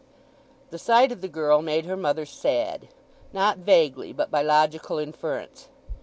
The sight of the girl made her mother sad—not vaguely but by logical inference.